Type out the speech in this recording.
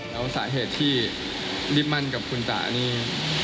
แล้วสาเหตุที่รีบมั่นกับคุณตานี่